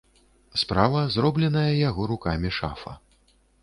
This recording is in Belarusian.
Справа зробленая яго рукамі шафа.